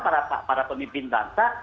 para pemimpin bangsa